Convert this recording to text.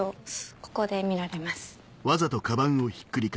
ここで見られます。